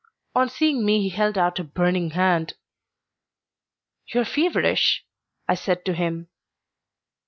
On seeing me he held out a burning hand. "You are feverish," I said to him.